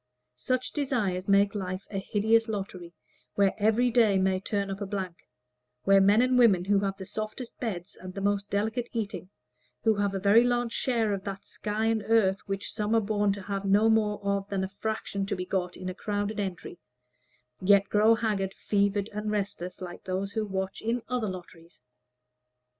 Such desires make life a hideous lottery, where every day may turn up a blank; where men and women who have the softest beds and the most delicate eating, who have a very large share of that sky and earth which some are born to have no more of than the fraction to be got in a crowded entry, yet grow haggard, fevered, and restless, like those who watch in other lotteries.